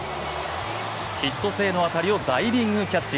ヒット性の当たりをダイビングキャッチ。